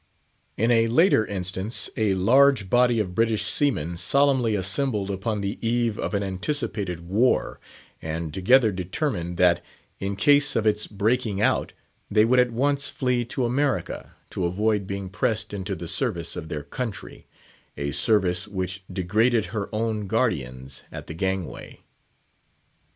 In a later instance, a large body of British seamen solemnly assembled upon the eve of an anticipated war, and together determined, that in case of its breaking out, they would at once flee to America, to avoid being pressed into the service of their country—a service which degraded her own guardians at the gangway.